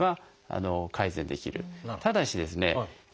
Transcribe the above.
ただしですね